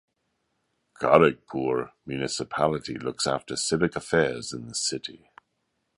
Kharagpur Municipality looks after civic affairs in the city.